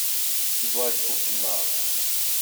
Ti dueies buca fimar.